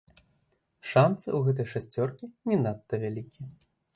Шанцы ў гэтай шасцёркі не надта вялікія.